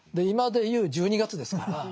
今でいう１２月ですから。